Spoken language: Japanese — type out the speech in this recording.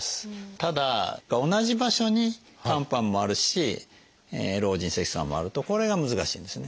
ただ同じ場所に肝斑もあるし老人性色素斑もあるとこれが難しいんですね。